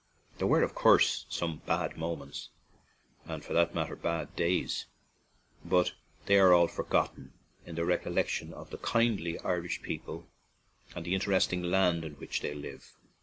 There were, of course, some bad moments, and for that matter, bad days ; but they are all forgotten in the recollection of the kind ly Irish people and the interesting land in which they live.